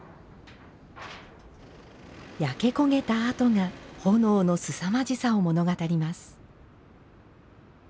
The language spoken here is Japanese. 焼け焦げた跡が炎のすさまじさを物語ります。